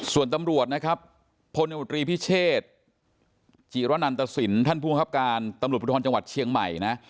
ส่วนตำรวจนะครับพลเวียบริปิเชษจิรวรรณันตสินท่านภูมิคับการตำรวจประทรศน์จังหวัดเชียงใหม่นะ